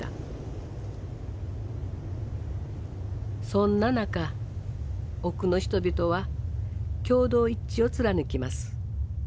そんな中奥の人々は共同一致を貫きます。